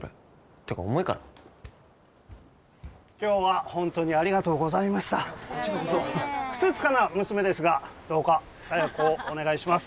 てか重いから今日は本当にありがとうございましたふつつかな娘ですがどうか佐弥子をお願いします